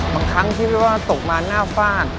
บางครั้งคิดว่าตกมาหน้าฝ้าน